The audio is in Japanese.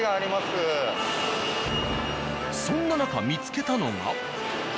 そんな中見つけたのが。